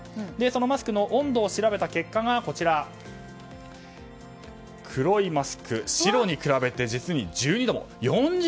そのマスクの温度を調べた結果黒いマスク白に比べて実に１２度も。